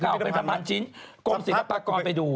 หยุดกระพันจิ้นกลมสิรภากรไปดู